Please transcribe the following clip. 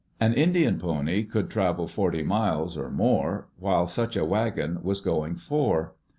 An Indian pony could travel forty miles or more while such a wagon was going four.